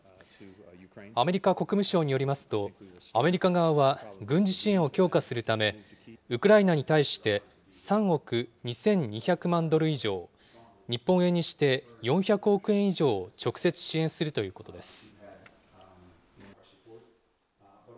アメリカ国務省によりますと、アメリカ側は軍事支援を強化するため、ウクライナに対して３億２２００万ドル以上、日本円にして４００億円以上を直接支援するということです。